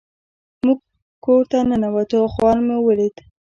موږ کور ته ننوتو او خاوند مو ولید.